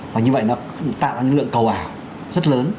và như vậy nó tạo ra những lượng cầu ả rất lớn